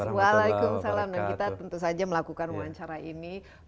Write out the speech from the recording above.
waalaikumsalam dan kita tentu saja melakukan wawancara ini